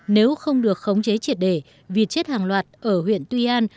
nếu không được khống chế triệt đề vịt chết hàng loạt ở huyện tuy an